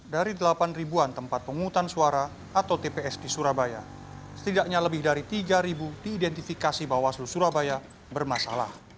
dari delapan an tempat penghutan suara atau tps di surabaya setidaknya lebih dari tiga diidentifikasi bawah seluruh surabaya bermasalah